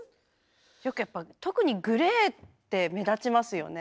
よくやっぱ特にグレーって目立ちますよね。